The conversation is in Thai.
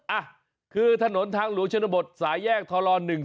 อ่ะคือถนนทางหลวงชนบทสายแยกทร๑๒